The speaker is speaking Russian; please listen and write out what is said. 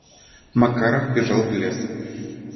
Макаров бежал в лес.